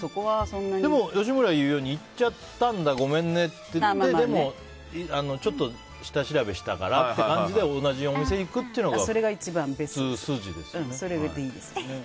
でも、吉村が言うように行っちゃったんだごめんねって言ってでも、ちょっと下調べしたからって感じで同じお店に行くというのがそれでいいです。